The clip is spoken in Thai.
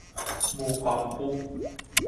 หมู่เกาะคุก